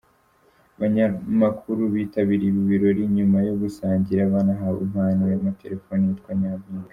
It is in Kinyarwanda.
Abanyamakuru bitabiriye ibi birori nyuma yo gusangira banahawe impano y'amatelefone yitwa Nyampinga.